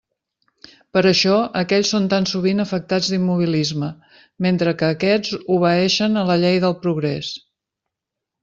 Per això aquells són tan sovint afectats d'immobilisme, mentre que aquests obeeixen a la llei del progrés.